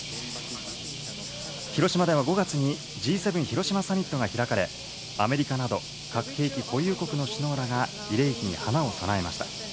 広島では５月にＧ７広島サミットが開かれ、アメリカなど核兵器保有国の首脳らが慰霊碑に花を供えました。